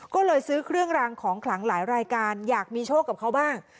ก็เลยซื้อเครื่องรางของขลังหลายรายการอยากมีโชคกับเขาบ้าง